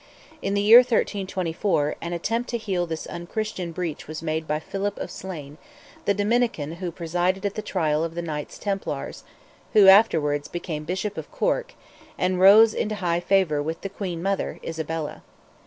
In the year 1324, an attempt to heal this unchristian breach was made by Philip of Slane, the Dominican who presided at the trial of the Knights Templars, who afterwards became Bishop of Cork, and rose into high favour with the Queen Mother, Isabella.